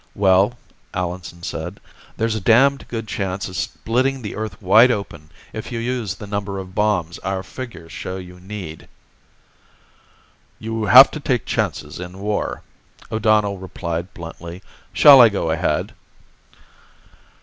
"Well," Allenson said, "there's a damned good chance of splitting the Earth wide open if you use the number of bombs our figures show you need." "You have to take chances in war," O'Donnell replied bluntly. "Shall I go ahead?"